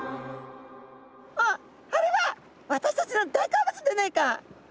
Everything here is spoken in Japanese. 「あっあれは私たちの大好物でねえか」。